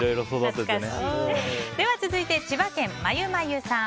続いて千葉県の方から。